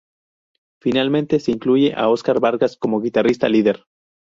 Finalmente se incluye a Oscar Vargas como guitarrista líder.